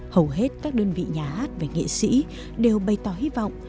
hầu hết các đơn vị nhà hát và nghệ sĩ đều bày tỏ hy vọng